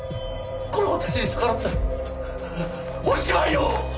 この子たちに逆らったらおしまいよ！